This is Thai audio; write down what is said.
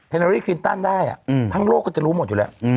นารีคลินตันได้ทั้งโลกก็จะรู้หมดอยู่แล้ว